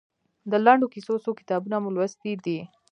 د لنډو کیسو څو کتابونه مو لوستي دي؟